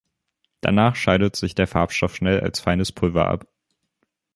Danach scheidet sich der Farbstoff schnell als feines Pulver ab.